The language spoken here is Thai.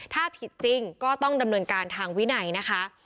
ถ้าผิดจริงก็ต้องดำเนินการทางวินัยนะคะ